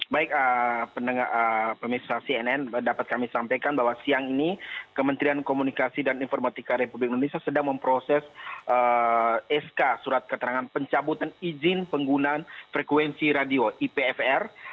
baik pemirsa cnn dapat kami sampaikan bahwa siang ini kementerian komunikasi dan informatika republik indonesia sedang memproses sk surat keterangan pencabutan izin penggunaan frekuensi radio ipfr